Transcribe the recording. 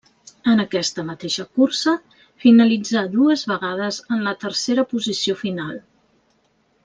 En aquesta mateixa cursa finalitzà dues vegades en la tercera posició final.